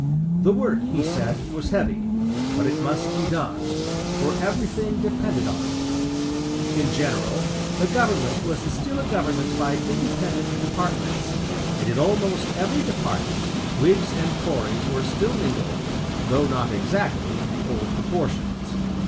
The work, he said, was heavy; but it must be done; for everything depended on it, In general, the government was still a government by independent departments; and in almost every department Whigs and Tories were still mingled, though not exactly in the old proportions.